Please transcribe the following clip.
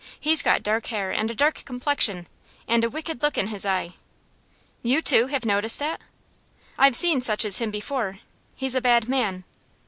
He's got dark hair and a dark complexion, and a wicked look in his eye." "You, too, have noticed that?" "I've seen such as him before. He's a bad man."